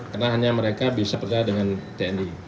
karena hanya mereka bisa berda dengan tni